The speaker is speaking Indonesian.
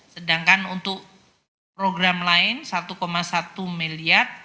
sedangkan untuk program lain satu satu miliar